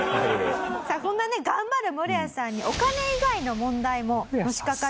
さあそんなね頑張るムロヤさんにお金以外の問題ものしかかってきます。